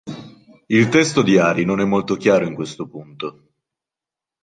Il testo di Ari non è molto chiaro in questo punto.